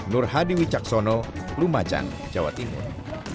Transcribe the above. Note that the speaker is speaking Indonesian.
nur hadiwi caksono lumajang jawa timur